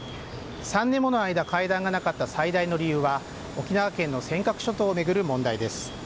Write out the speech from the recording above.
３年もの間会談がなかった最大の理由は沖縄県の尖閣諸島を巡る問題です。